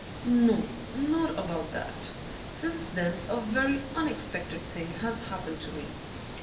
'No, not about that. Since then a very unexpected thing has happened to me.